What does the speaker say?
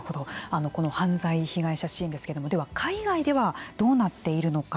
この犯罪被害者支援ですけれどもでは、海外ではどうなっているのか。